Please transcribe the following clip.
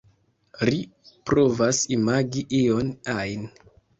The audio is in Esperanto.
Ri provas imagi ion ajn.